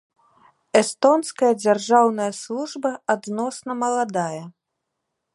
Эстонская дзяржаўная служба адносна маладая.